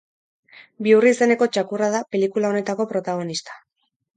Bihurri izeneko txakurra da pelikula honetako protagonista.